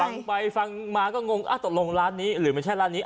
ฟังไปฟังมาก็งงตกลงร้านนี้หรือไม่ใช่ร้านนี้